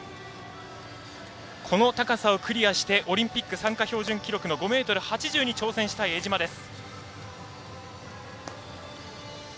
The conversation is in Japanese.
この高さをクリアしてオリンピック参加標準記録の５ｍ８０に挑戦したい江島です。